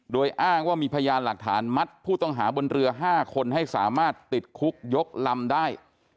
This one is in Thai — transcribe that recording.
โดยอ้างว่ามีพยานหลักฐานมัดผู้ต้องหาบนเรือ๕คนให้สามารถติดคุกยกลำได้